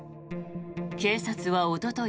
警察はおととい